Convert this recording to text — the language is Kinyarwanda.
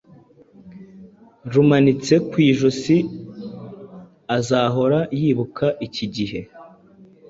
rumanitse ku ijosiazahora yibuka iki gihe